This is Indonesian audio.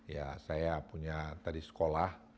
ya saya punya tadi sekolah